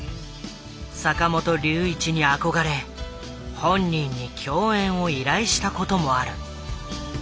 坂本龍一に憧れ本人に共演を依頼したこともある。